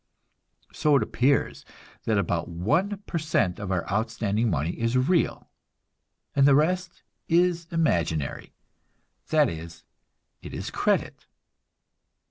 So it appears that about one per cent of our outstanding money is real, and the rest is imaginary that is, it is credit.